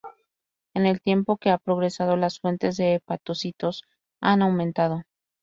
En el tiempo que ha progresado las fuentes de hepatocitos han aumentado.